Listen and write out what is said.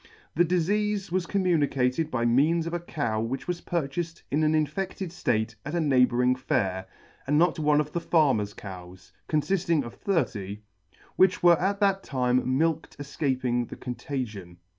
The difeafe was communicated by means of a cow which was purchaled in an infeded date at a neighbouring fair, and not one of the Farmer's cows (confifting of thirty) which were at that time milked efcaped the contagion.